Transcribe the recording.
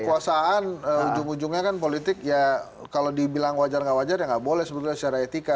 kekuasaan ujung ujungnya kan politik ya kalau dibilang wajar nggak wajar ya nggak boleh sebetulnya secara etika